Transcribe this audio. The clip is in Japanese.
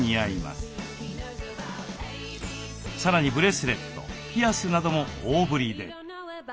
さらにブレスレットピアスなども大ぶりで。